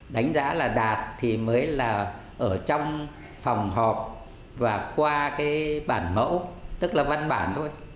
đánh giá là đạt thì mới là ở trong phòng họp và qua cái bản mẫu tức là văn bản thôi